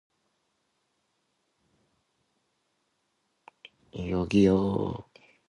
여기요! 물 좀 주세요